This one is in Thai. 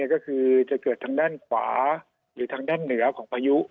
ก็คือจะเกิดทางด้านขวาหรือทางด้านเหนือของพายุ